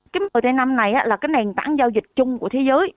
cái mở tên năm này là cái nền tảng giao dịch chung của thế giới